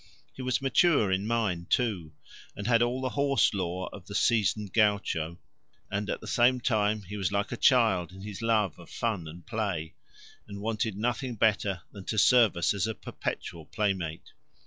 He was mature in mind, too, and had all the horse lore of the seasoned gaucho, and at the same time he was like a child in his love of fun and play, and wanted nothing better than to serve us as a perpetual playmate.